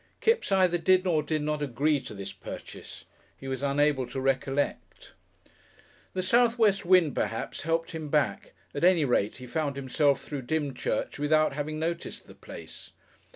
Kipps either did or did not agree to this purchase; he was unable to recollect. The southwest wind perhaps helped him back, at any rate he found himself through Dymchurch without having noticed the place.